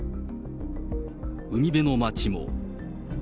海辺の街も。